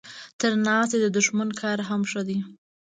تر ناستي د دښمن کار هم ښه دی.